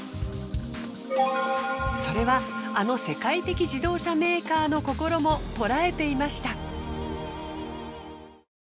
それはあの世界的自動車メーカーの心もとらえていました。